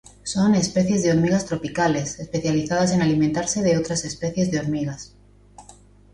Son especies de hormigas tropicales, especializadas en alimentarse de otras especies de hormigas.